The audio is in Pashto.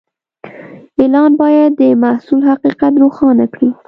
اعلان باید د محصول حقیقت روښانه کړي.